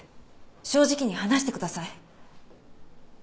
正直に話してください。